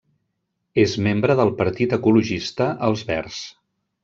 És membre del partit ecologista Els Verds.